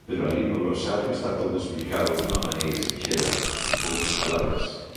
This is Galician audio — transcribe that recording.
Pero alí no glosario está todo explicado dunha maneira sinxela, con poucas palabras.